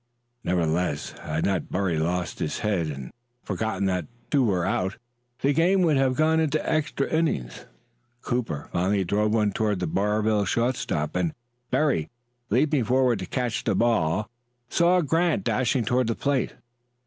Nevertheless, had not Berry lost his head and forgotten that two were out, the game would have gone into extra innings. Cooper finally drove one toward the Barville shortstop, and Berry, leaping forward to catch the ball, saw Grant dashing toward the plate.